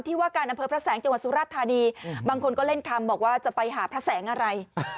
ว่าการอำเภอพระแสงจังหวัดสุราชธานีบางคนก็เล่นคำบอกว่าจะไปหาพระแสงอะไร